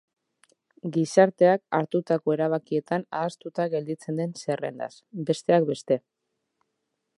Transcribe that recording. Gizarteak hartutako erabakietan ahaztuta gelditzen den zerrendaz, besteak beste.